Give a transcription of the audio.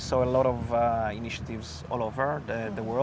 saya melihat banyak inisiatif di seluruh dunia